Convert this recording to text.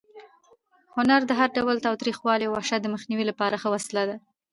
هنر د هر ډول تاوتریخوالي او وحشت د مخنیوي لپاره ښه وسله ده.